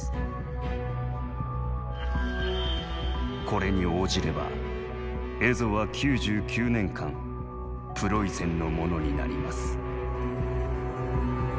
「これに応じれば蝦夷は９９年間プロイセンのものになります」。